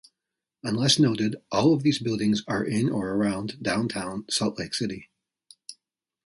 Unless noted, all of these buildings are in or around Downtown Salt Lake City.